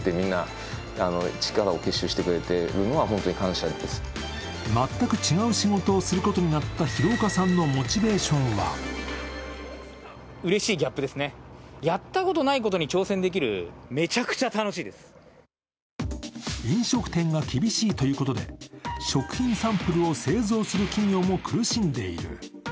社長は全く違う仕事をすることになった廣岡さんのモチベーションは飲食店が厳しいということで、食品サンプルを製造する企業も苦しんでいる。